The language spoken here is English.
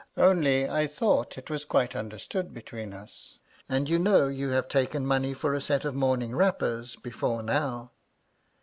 Only I thought it was quite understood between us. And, you know, you have taken money for a set of morning wrappers, before now."